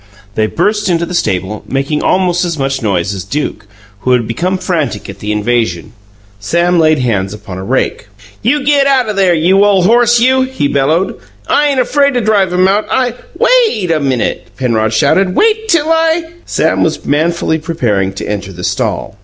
They burst into the stable, making almost as much noise as Duke, who had become frantic at the invasion. Sam laid hands upon a rake. "You get out o' there, you ole horse, you!" he bellowed. "I ain't afraid to drive him out. I " "WAIT a minute!" Penrod shouted. "Wait till I " Sam was manfully preparing to enter the stall.